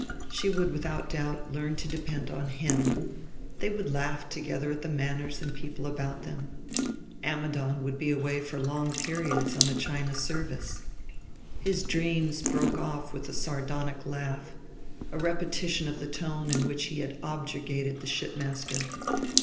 She would without doubt learn to depend on him: they would laugh together at the manners and people about them. Ammidon would be away for long periods on the China service. His dreams broke off with a sardonic laugh, a repetition of the tone in which he had objurgated the ship master.